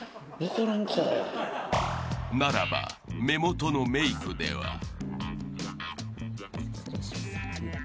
［ならば目元のメイクでは］